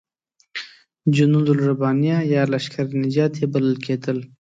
جنودالربانیه یا لشکر نجات یې بلل کېدل.